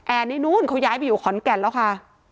นี่นู้นเขาย้ายไปอยู่ขอนแก่นแล้วค่ะ